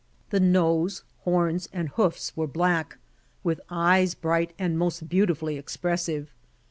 The nose, horns and hoofs were black, with eyes bright and most beautifully expressive.